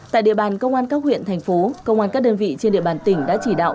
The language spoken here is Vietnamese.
tại địa bàn công an các huyện thành phố công an các đơn vị trên địa bàn tỉnh đã chỉ đạo